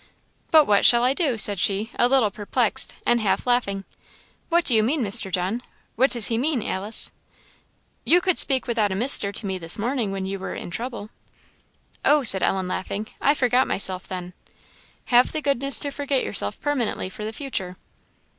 "But what shall I do?" said she, a little perplexed, and half laughing. "What do you mean, Mr. John? What does he mean, Alice?" "You could speak without a 'Mr.' to me this morning, when you were in trouble." "Oh," said Ellen laughing, "I forgot myself then." "Have the goodness to forget yourself permanently for the future."